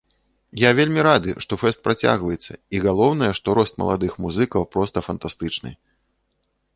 Я вельмі рады, што фэст працягваецца, і, галоўнае, што рост маладых музыкаў проста фантастычны!